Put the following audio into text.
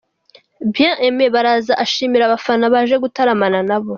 Bien-Aimé Baraza ashimira abafana baje gutaramana nabo.